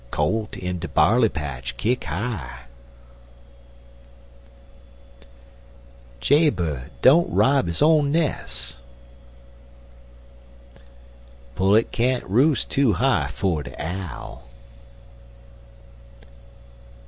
Colt in de barley patch kick high. Jay bird don't rob his own nes'. Pullet can't roost too high for de owl.